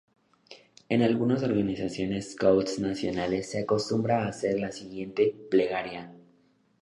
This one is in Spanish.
En algunas organizaciones scouts nacionales se acostumbra hacer la siguiente plegaria.